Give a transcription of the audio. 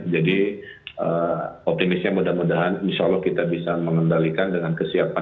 optimisnya mudah mudahan insya allah kita bisa mengendalikan dengan kesiapan